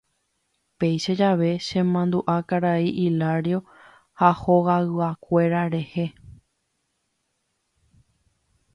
Péicha jave chemandu'a karai Hilario ha hogayguakuéra rehe.